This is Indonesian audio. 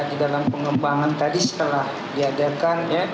di dalam pengembangan tadi setelah diadakan